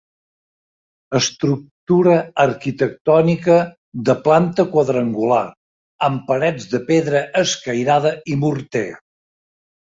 Estructura arquitectònica de planta quadrangular, amb parets de pedra escairada i morter.